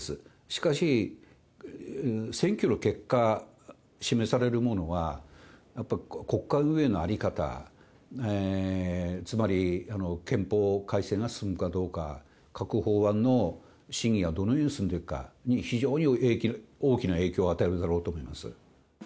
しかし、選挙の結果、示されるものは、やっぱり国会運営の在り方、つまり、憲法改正が進むかどうか、各法案の審議がどのように進んでいくかに、非常に大きな影響を与えるだろうと思います。